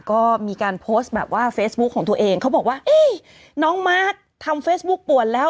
ก็มีการโพสต์แบบว่าเฟซบุ๊คของตัวเองเขาบอกว่าเอ๊ะน้องมาร์คทำเฟซบุ๊กป่วนแล้ว